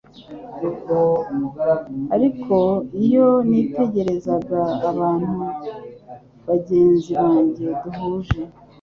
Ariko iyo nitegerezaga ukuntu bagenzi banjye duhuje